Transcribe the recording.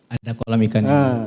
ada kolam ikan